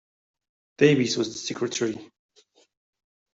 Davies was the secretary.